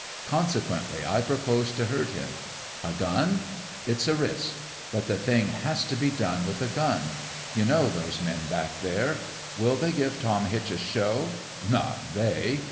Consequently I pro pose to hurt him. A gun ? It's a risk. But the thing has to be done with a gun. ... You know those men back there. Will they give Tom Hitch a show ? Not they